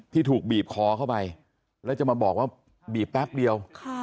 ที่ถูกบีบคอเข้าไปแล้วจะมาบอกว่าบีบแป๊บเดียว